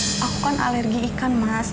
ya aku kan alergi ikan mas